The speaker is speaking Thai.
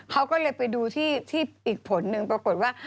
เขาก็เลยไปดูที่อีกผลหนึ่งปรากฏว่า